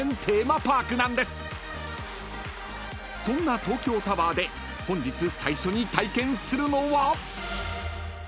［そんな東京タワーで本日最初に体験するのは］